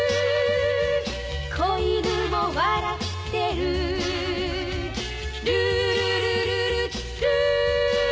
「小犬も笑ってる」「ルールルルルルー」